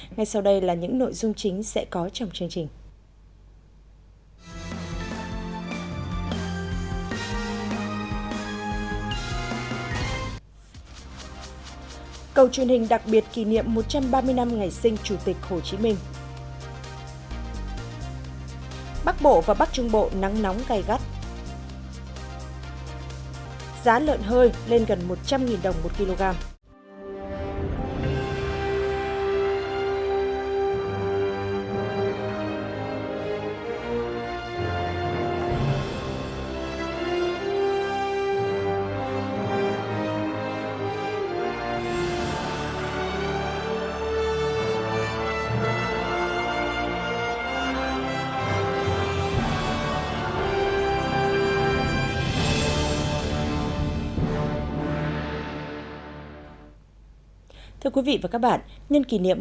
ngay sau đây là những nội dung chính sẽ có trong chương trình